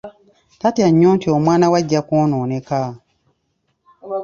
Yatya nnyo nti omwana we ajja kwonooneka.